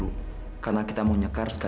oke kita sudah ke ruangan